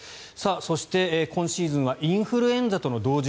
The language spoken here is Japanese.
そして今シーズンはインフルエンザとの同時